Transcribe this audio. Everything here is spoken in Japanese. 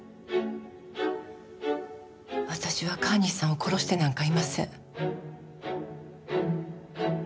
私は川西さんを殺してなんかいません。